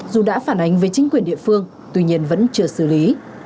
dù đã phản ánh với chính quyền địa phương tuy nhiên vẫn chưa xử lý